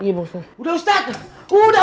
udah ustadz udah ustadz